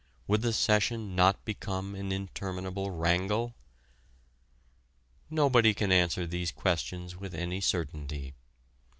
Would the session not become an interminable wrangle? Nobody can answer these questions with any certainty.